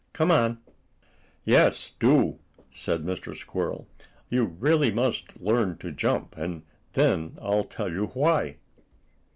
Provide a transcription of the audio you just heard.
Come on." "Yes, do!" said Mr. Squirrel. "You really must learn to jump, and then I'll tell you why."